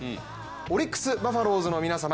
オリックス・バファローズの皆様